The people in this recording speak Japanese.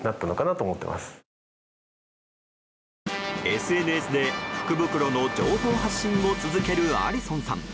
ＳＮＳで福袋の情報発信を続けるアリソンさん。